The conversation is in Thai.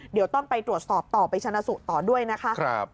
เดี๋ยวต้องไปตรวจสอบต่อไปชนะสูตรต่อด้วยนะคะ